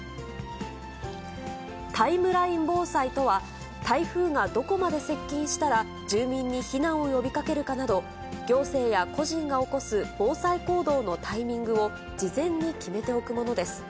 タイムライン防災とは、台風がどこまで接近したら、住民に避難を呼びかけるかなど、行政や個人が起こす防災行動のタイミングを事前に決めておくものです。